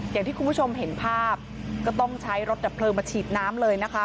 อย่างที่คุณผู้ชมเห็นภาพก็ต้องใช้รถดับเพลิงมาฉีดน้ำเลยนะคะ